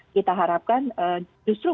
kita harapkan justru